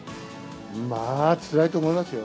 まあつらいと思いますよ。